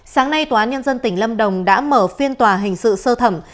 sáng nay tòa án nhân dân tỉnh lâm đồng đã mở phiên tòa hình sự sơ thẩm